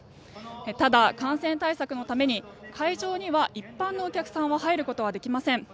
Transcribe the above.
ただ、感染対策のために会場には一般のお客さんは入ることはできません。